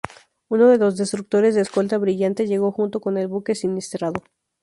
Uno de los destructores de escolta, brillante, llegó junto con el buque siniestrado.